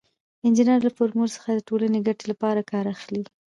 انجینر له فورمول څخه د ټولنې د ګټې لپاره کار اخلي.